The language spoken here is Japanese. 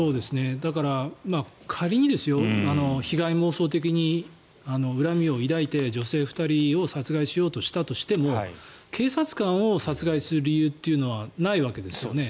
だから、仮に被害妄想的に恨みを抱いて女性２人を殺害しようとしたとしても警察官を殺害する理由というのはないわけですよね。